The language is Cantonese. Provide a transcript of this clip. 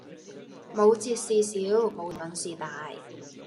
冇折事小，冇贈品事大